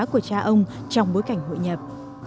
của cha ông trong bối cảnh hội nhập